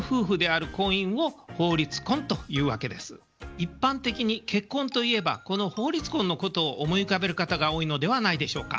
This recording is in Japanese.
一般的に結婚といえばこの法律婚のことを思い浮かべる方が多いのではないでしょうか。